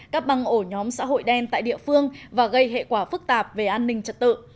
các băng ổ nhóm xã hội đen tại địa phương và gây hệ quả phức tạp về an ninh trật tự